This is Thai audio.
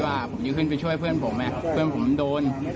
ผมยื้อขึ้นไปช่วยเพื่อนผมนะเพื่อนผมมันโดน